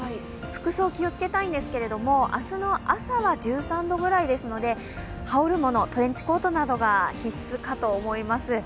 服装気をつけたいんですけれども明日の朝は１３度ぐらいですので羽織るもの、トレンチコートなどが必須かと思います。